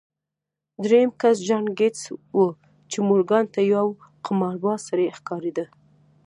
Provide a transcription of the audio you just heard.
درېيم کس جان ګيټس و چې مورګان ته يو قمارباز سړی ښکارېده.